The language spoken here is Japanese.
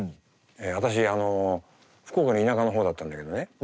私福岡の田舎の方だったんだけどね